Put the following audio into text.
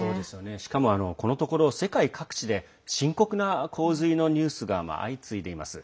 しかも、このところ世界各地で深刻な洪水のニュースが相次いでいます。